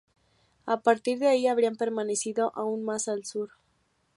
A partir de ahí, habrían permanecido aún más al sur.